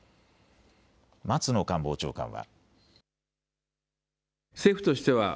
松野官房長官は。